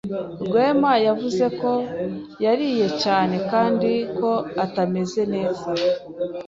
Rwema yavuze ko yariye cyane kandi ko atameze neza.